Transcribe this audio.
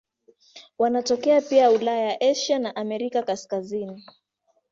Wanatokea pia Ulaya, Asia na Amerika ya Kaskazini.